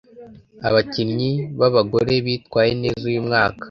Abakinnyi b’abagorebitwaye neza uyu mwaka